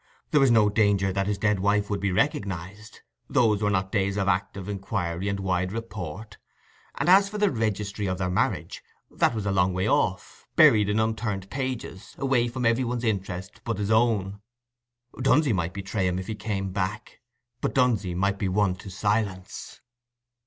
There was no danger that his dead wife would be recognized: those were not days of active inquiry and wide report; and as for the registry of their marriage, that was a long way off, buried in unturned pages, away from every one's interest but his own. Dunsey might betray him if he came back; but Dunsey might be won to silence.